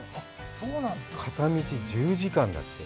片道１０時間だって。